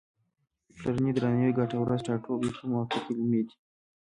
پلرنی، درناوی، ګټه، ورځ، ټاټوبی، کوم او ته کلمې دي.